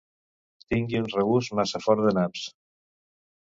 Tingui un regust massa fort de naps.